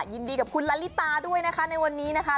ยินดีกับคุณลาลิตาด้วยนะคะในวันนี้นะคะ